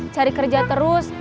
cari kerja terus